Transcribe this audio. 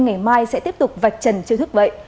ngày mai sẽ tiếp tục vạch trần chiêu thức vậy